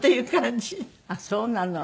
あっそうなの。